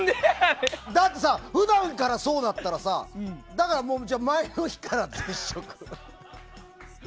だってさ、普段からそうだったらさだから、前の日から絶食。